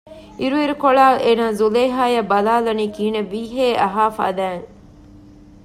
އިރުއިރުކޮޅާ އޭނާ ޒުލޭހާއަށް ބަލާލަނީ ކިހިނެއްވީހޭ އަހާ ފަދައިން